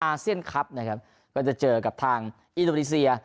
อาเซียนครับก็จะเจอกับทางอินโดริเซีย